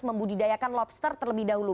membudidayakan lobster terlebih dahulu